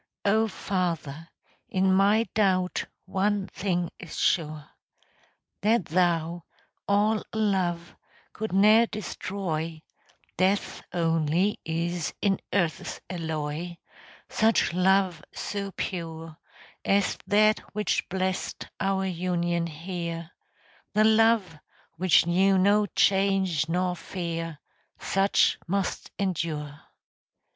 O Father, in my doubt One thing is sure, That Thou, all love, could ne'er destroy (Death only is in earth's alloy) Such love so pure As that which blessed our union here, The love which knew no change nor fear Such must endure.